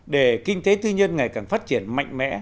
để kinh tế tư nhân ngày càng phát triển mạnh mẽ